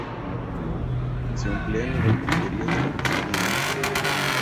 Se emplea en la repostería de la cocina inglesa.